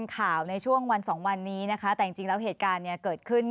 ข่าวในช่วงวันสองวันนี้นะคะแต่จริงแล้วเหตุการณ์เนี่ยเกิดขึ้น